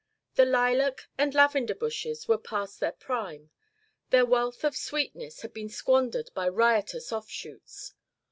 The lilac and lavender bushes were past their prime; their wealth of sweetness had been squandered by riotous offshoots.